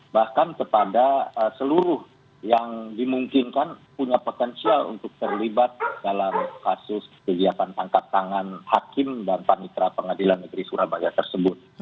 bahkan kepada seluruh yang dimungkinkan punya potensial untuk terlibat dalam kasus kegiatan tangkap tangan hakim dan panitra pengadilan negeri surabaya tersebut